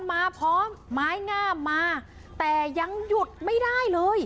มาพร้อมไม้งามมาแต่ยังหยุดไม่ได้เลย